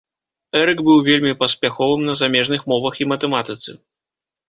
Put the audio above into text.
Эрык быў вельмі паспяховым на замежных мовах і матэматыцы.